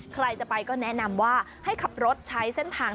ใครจะไปก็แนะนำว่าให้ขับรถใช้เส้นทาง